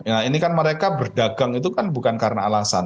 nah ini kan mereka berdagang itu kan bukan karena alasan